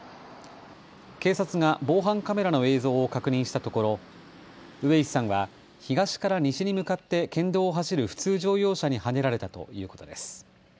警察が防犯カメラの映像を確認したところ上石さんは東から西に向かって県道を走る普通乗用車にはねられたということです。